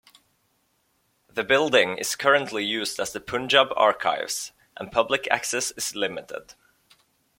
The building is currently used as the Punjab Archives, and public access is limited.